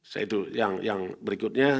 ya itu yang berikutnya